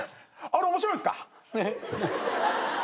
あれ面白いっすか？